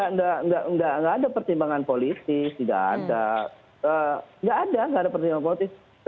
nggak ada pertimbangan politis nggak ada nggak ada nggak ada pertimbangan politis